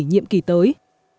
nhiệm kỳ tới